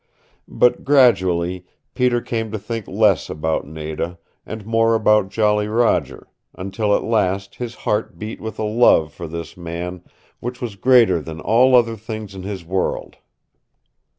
But gradually Peter came to think less about Nada, and more about Jolly Roger, until at last his heart beat with a love for this man which was greater than all other things in his world.